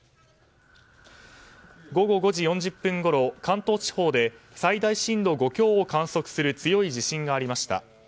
午後５時４０分ごろ関東地方で最大震度５強を観測する強い地震がありました。